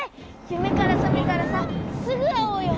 ゆめからさめたらさすぐあおうよ。